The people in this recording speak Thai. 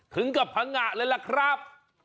ถึงกับพังงะเลยล่ะครับ